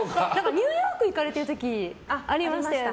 ニューヨーク行かれてる時ありましたよね。